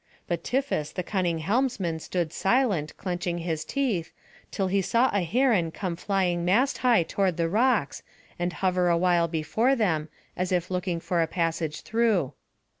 But Tiphys the cunning helmsman stood silent, clenching his teeth, till he saw a heron come flying mast high toward the rocks, and hover awhile before them, as if looking for a passage through.